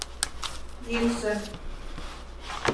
ЙӰКСӦ